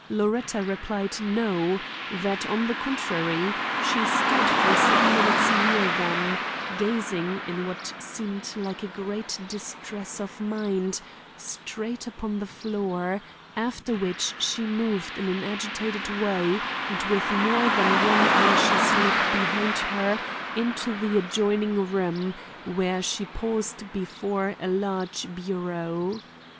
Loretta replied no; that, on the contrary, she stood for some minutes near them, gazing, in what seemed like a great distress of mind, straight upon the floor; after which she moved in an agitated way and with more than one anxious look behind her into the adjoining room where she paused before a large bureau.